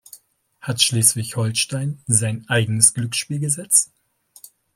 Hat Schleswig-Holstein sein eigenes Glücksspielgesetz?